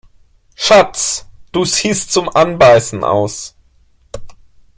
Schatz, du siehst zum Anbeißen aus!